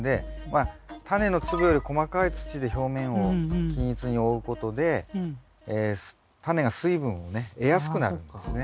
まあタネの粒より細かい土で表面を均一に覆うことでタネが水分をね得やすくなるんですね。